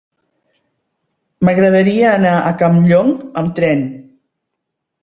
M'agradaria anar a Campllong amb tren.